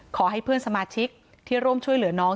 ขอให้เพื่อนสมาชิกที่ร่วมช่วยเหลือน้อง